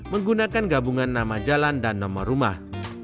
menggunakan gabungan nama jalan dan nomor rumah